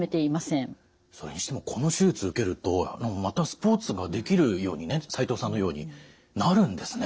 それにしてもこの手術受けるとまたスポーツができるようにね齋藤さんのようになるんですね！